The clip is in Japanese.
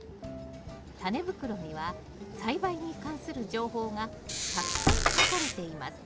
タネ袋には栽培に関する情報がたくさん書かれています。